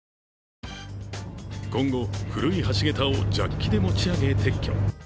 今後、古い橋桁をジャッキで持ち上げ、撤去。